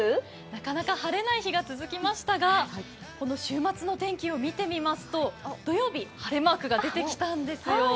なかなか晴れない日が続きましたが、週末の天気を見てみますと土曜日、晴れマークが出てきたんですよ。